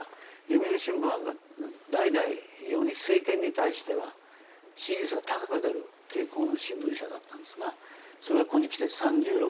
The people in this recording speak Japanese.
読売新聞は代々、非常に政権に対しては支持率が高く出る傾向の新聞社だったんですがそれがここにきて３６％。